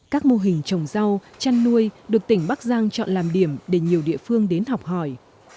các mô hình trồng rau chăn nuôi được tỉnh bắc giang chọn làm điểm để nhiều địa phương đến học hỏi